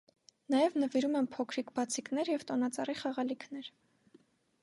Նաև նվիրում են փոքրիկ բացիկներ և տոնածառի խաղալիքներ։